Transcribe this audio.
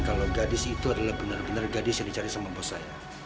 kalau gadis itu adalah benar benar gadis yang dicari sama bos saya